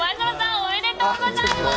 おめでとうございます！